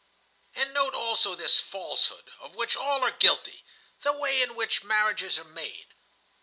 "And note, also, this falsehood, of which all are guilty; the way in which marriages are made.